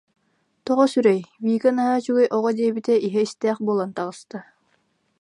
Тоҕо сүрэй, Вика наһаа үчүгэй оҕо диэбитэ иһэ истээх буолан таҕыста